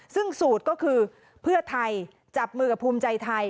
ซึ่งสูตรก็คือเพื่อไทยจับมือกับภูมิใจไทย